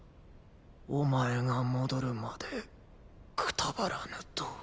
お前が戻るまでくたばらぬと。